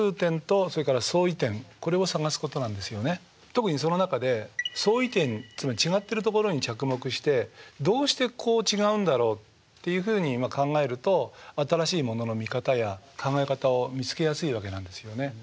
特にその中で相違点つまり違ってるところに着目してどうしてこう違うんだろう？っていうふうに考えると新しいものの見方や考え方を見つけやすいわけなんですよね。